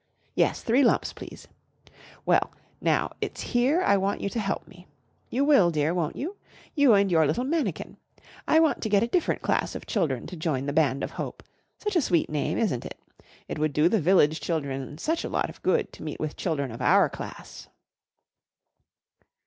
Yes, three lumps, please. Well, now, it's here I want you to help me. You will, dear, won't you? You and your little mannikin. I want to get a different class of children to join the Band of Hope. Such a sweet name, isn't it? It would do the village children such a lot of good to meet with children of our class."